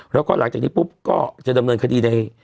แล้วก็หลังจากนี้ปุ๊บก็จะดำเนินคดีใด